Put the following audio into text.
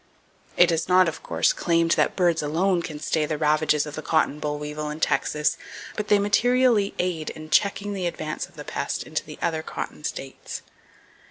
It is not, of course, claimed that birds alone can stay the ravages of the cotton boll weevil in Texas, but they materially aid in checking the advance of the pest into the other cotton states.